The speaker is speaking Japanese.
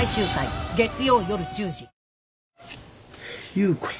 優子や。